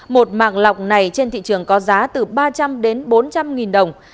một mạng lọc này trên thị trường có giá từ ba trăm linh đến bốn trăm linh nghìn đồng